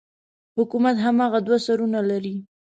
حکومت هماغه دوه سرونه لري.